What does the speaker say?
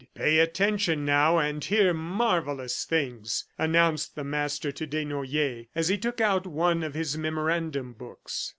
"Pay attention, now and hear marvellous things," announced the master to Desnoyers, as he took out one of his memorandum books.